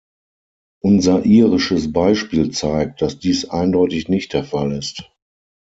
Unser irisches Beispiel zeigt, dass dies eindeutig nicht der Fall ist.